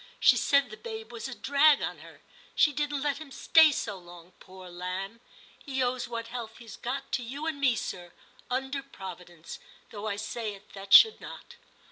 She said the babe was a drag on her ; she didn't let him stay so long, poor lamb. He owes what health he's got to you and me, sir, under Providence, though I say it that should not.'